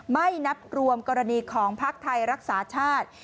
ไม่นับรวมกรณีของพักไทยรักษาชาติ